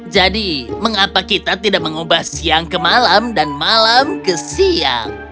jadi mengapa kita tidak mengubah siang ke malam dan malam ke siang